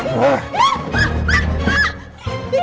kita telah terserah dengan seine